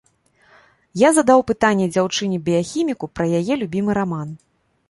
Я задаў пытанне дзяўчыне-біяхіміку пра яе любімы раман.